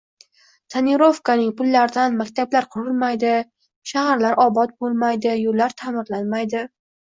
Tonirovkaning pullaridan maktablar qurilmaydi, shaharlar obod boʻlmaydi, yoʻllar taʼmirlanmaydi.